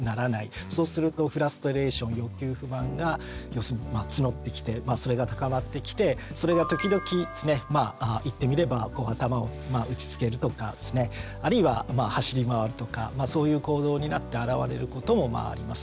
そうするとフラストレーション欲求不満が要するにつのってきてそれが高まってきてそれが時々ですねまあ言ってみれば頭を打ちつけるとかですねあるいは走り回るとかそういう行動になって現れることもまああります。